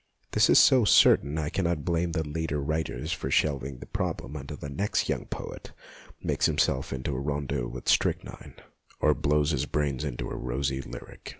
This is so certain that I cannot blame the leader writers for shelv ing the problem until the next young poet makes himself into a rondeau with strych nine, or blows his brains into a rosy lyric.